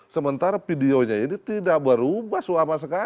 sementara videonya ini tidak berubah sama sekali